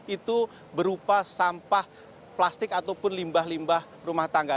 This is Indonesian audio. itu berupa sampah plastik ataupun limbah limbah rumah tangga